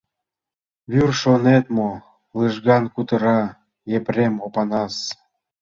Вӱр, шонет мо? — лыжган кутыра Епрем Опанас.